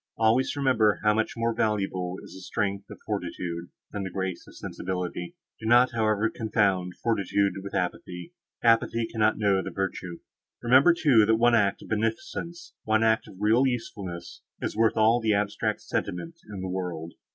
Always remember how much more valuable is the strength of fortitude, than the grace of sensibility. Do not, however, confound fortitude with apathy; apathy cannot know the virtue. Remember, too, that one act of beneficence, one act of real usefulness, is worth all the abstract sentiment in the world.